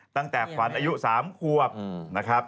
ตั้งแต่ขวัญอายุ๓ขวบนะครับ